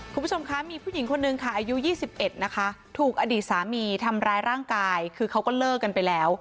คุณผู้ชมคะมีผู้หญิงคนนึงค่ะอายุ๒๑นะคะถูกอดีตสามีทำร้ายร่างกายคือเขาก็เลิกกันไปแล้ว